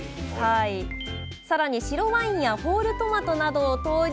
更に白ワインやホールトマトなどを投入。